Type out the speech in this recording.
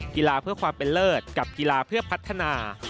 กีฬาเพื่อความเป็นเลิศกับกีฬาเพื่อพัฒนา